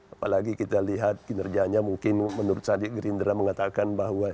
apalagi kita lihat kinerjanya mungkin menurut sandi gerindra mengatakan bahwa